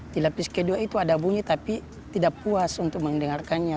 di lapis kedua itu ada bunyi tapi tidak puas untuk mendengarkannya